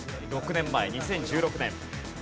６年前２０１６年。